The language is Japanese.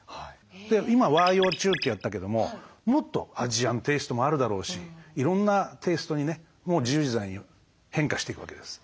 今和洋中ってやったけどももっとアジアンテイストもあるだろうしいろんなテイストにねもう自由自在に変化していくわけです。